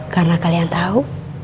karena kalian tahu